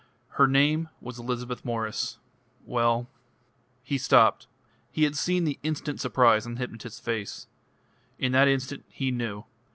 Her name was Elizabeth Mwres. Well ..." He stopped. He had seen the instant surprise on the hypnotist's face. In that instant he knew.